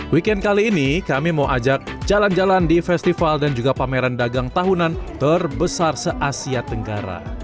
weekend kali ini kami mau ajak jalan jalan di festival dan juga pameran dagang tahunan terbesar se asia tenggara